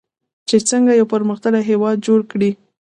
چې څنګه یو پرمختللی هیواد جوړ کړي.